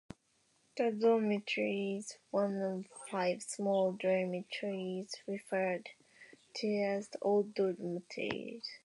The dormitory is one of five small dormitories referred to as the "old dormitories".